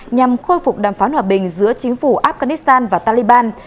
nhằm khôi phục đàm phán hòa bình giữa chính phủ afghanistan và taliban